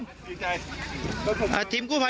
ดูสิคะแต่ละคนกอดคอกันหลั่นน้ำตา